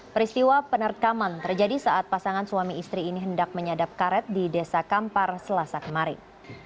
peristiwa penerkaman terjadi saat pasangan suami istri ini hendak menyadap karet di desa kampar selasa kemarin